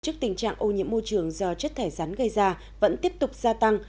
trước tình trạng ô nhiễm môi trường do chất thải rắn gây ra vẫn tiếp tục gia tăng